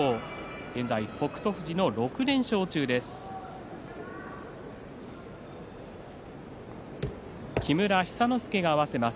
現在、北勝富士が６連勝中です。